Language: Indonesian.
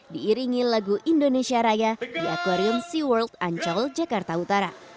diiringi lagu indonesia raya di akwarium seaworld ancol jakarta utara